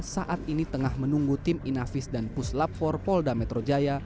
saat ini tengah menunggu tim inavis dan puslap for pondamitro jaya